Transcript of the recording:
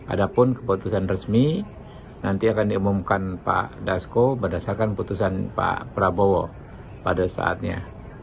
ada pun keputusan resmi nanti akan diumumkan pak dasko berdasarkan putusan pak prabowo pada saatnya